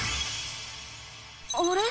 あれ？